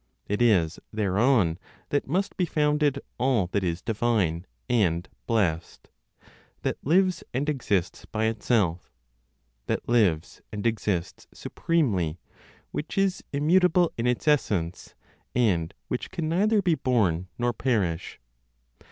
It is thereon that must be founded all that is divine and blessed, that lives and exists by itself, that lives and exists supremely, which is immutable in its essence, and which can neither be born nor perish.